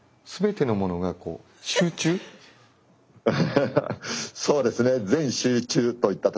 つまりハハハそうですね。